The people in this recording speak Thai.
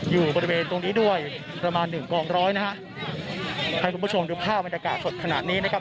อยู่บริเวณตรงนี้ด้วยประมาณหนึ่งกองร้อยนะฮะให้คุณผู้ชมดูภาพบรรยากาศสดขนาดนี้นะครับ